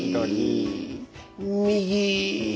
右。